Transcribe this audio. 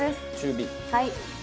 はい。